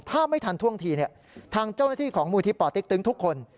ถ้าไม่ทันท่วงทีทางเจ้าหน้าที่ของมูลที่ป่อเต็กตึงทุกคน